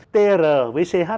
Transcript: tr với ch